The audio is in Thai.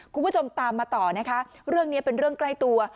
คุณผู้ชมตามมาต่อนะคะเรื่องนี้เป็นเรื่องใกล้ตัว